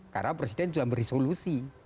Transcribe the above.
karena presiden sudah memberi solusi